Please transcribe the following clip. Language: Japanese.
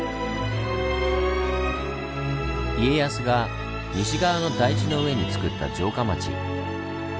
家康が西側の台地の上につくった城下町。